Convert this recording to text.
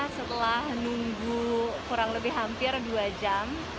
setelah nunggu kurang lebih hampir dua jam